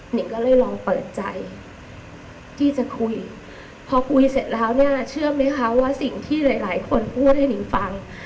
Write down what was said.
นิงก็เลยลองเปิดใจที่จะคุยพอคุยเสร็จแล้วเนี่ยเชื่อไหมคะว่าสิ่งที่หลายหลายคนพูดให้นิงฟัง